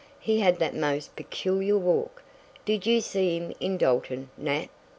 He had the most peculiar walk. Did you see him in Dalton, Nat?"